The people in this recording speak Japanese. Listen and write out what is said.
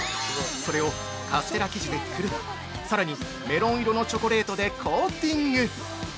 それをカステラ生地でくるみ、さらにメロン色のチョコレートでコーティング！